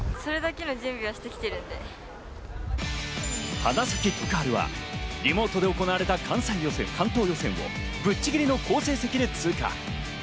花咲徳栄はリモートで行われた関東予選をぶっちぎりの成績で通過。